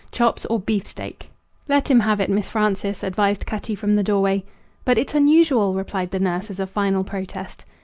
Chops or beefsteak!" "Let him have it, Miss Frances," advised Cutty from the doorway. "But it's unusual," replied the nurse as a final protest.